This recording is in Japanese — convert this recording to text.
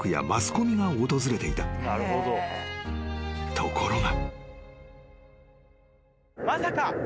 ［ところが］